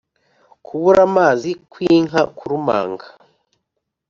kubura amazi kw’inka kurumanga